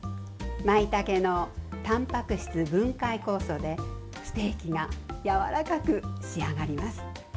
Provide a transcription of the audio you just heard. まいたけのたんぱく質分解酵素でステーキがやわらかく仕上がります。